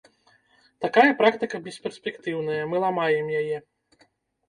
Такая практыка бесперспектыўная, мы ламаем яе.